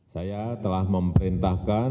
saya telah memerintahkan